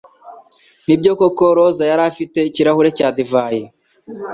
Nibyo koko Rosa yari afite ikirahure cya divayi.